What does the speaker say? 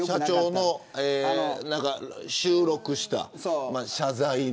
社長の収録した謝罪。